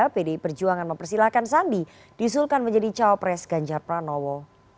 pdi perjuangan mempersilahkan sandi disulkan menjadi caopres ganjar pranowo